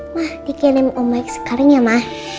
ma dikirim om baik sekarang ya ma